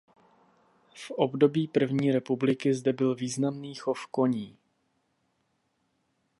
V období první republiky zde byl významný chov koní.